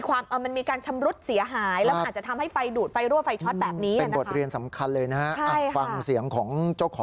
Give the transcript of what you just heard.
ก็ต้องหมั่นตรวจเช็ก